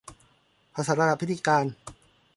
ภาษาระดับพิธีการ